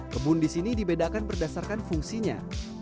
kebun di sini dibedakan berdasarkan fungsinya